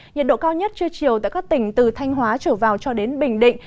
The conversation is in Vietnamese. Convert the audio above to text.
nhiệt độ cao nhất trưa chiều tại các tỉnh từ thanh hóa trở vào cho đến bình định